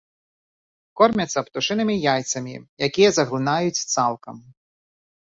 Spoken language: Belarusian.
Кормяцца птушынымі яйцамі, якія заглынаюць цалкам.